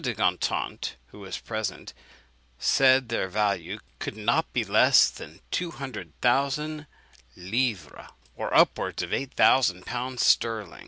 de Gontant, who was present, said their value could not be less than two hundred thousand livres, or upwards of eight thousand pounds sterling.